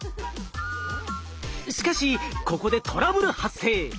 しかしここでトラブル発生。